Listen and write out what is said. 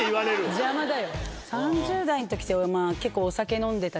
邪魔だよ。